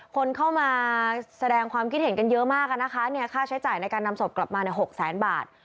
คนเข้ามาแสดงความคิดเห็นกันเยอะมากนะคะค่าใช้จ่ายในการนำศพกลับมาเนี่ย๖แสนบาท